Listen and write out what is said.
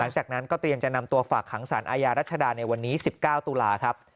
หลังจากนั้นก็เตรียมจะนำตัวฝากขังสารอาญารัชดาในวันนี้๑๙ตุลาครับ